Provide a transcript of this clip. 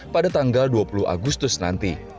pada tanggal dua puluh agustus nanti